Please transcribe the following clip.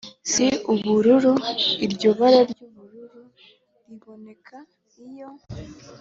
si ubururu iryo bara ry ubururu riboneka iyo